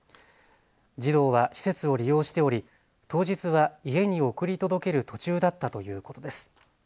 児童は施設を利用しており当日は家に送り届ける途中だったということです。